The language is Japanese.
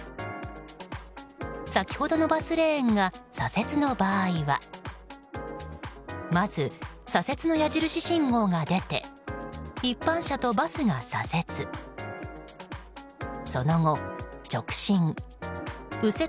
先ほどのバスレーンが左折の場合はまず左折の矢印信号が出て一般車とバスが左折。